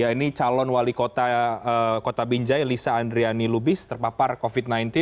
ini calon wali kota binjai lisa andriani lubis terpapar covid sembilan belas